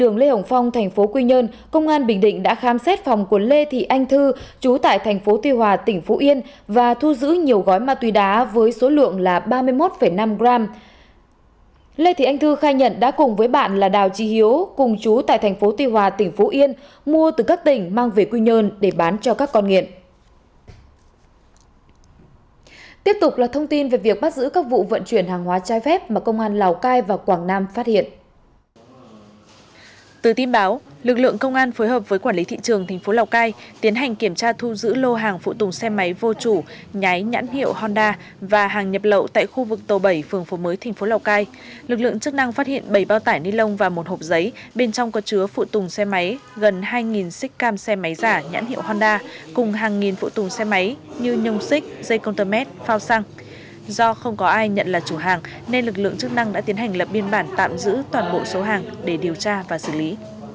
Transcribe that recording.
do không có ai nhận là chủ hàng nên lực lượng chức năng đã tiến hành lập biên bản tạm giữ toàn bộ số hàng để điều tra và xử lý